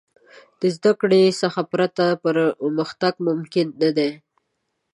د زدهکړې څخه پرته، پرمختګ ممکن نه دی.